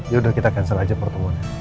yaudah kita cancel aja pertemuan